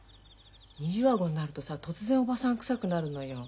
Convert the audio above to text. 二重顎になるとさ突然おばさんくさくなるのよ。